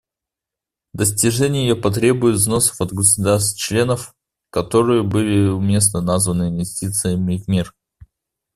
Достижение ее потребует взносов от государств-членов, которые были уместно названы инвестициями в мир.